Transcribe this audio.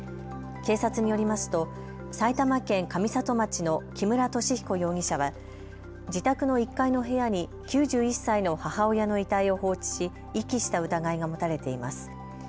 警察によりますと、埼玉県上里町の木村敏彦容疑者は自宅の１階の部屋に９１歳の母親の遺体を放置し遺棄した疑いが持たれています。